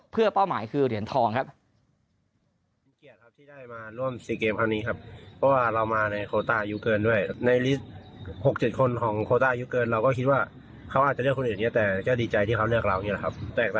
เพื่อเป้าหมายคือเหรียญทองครับ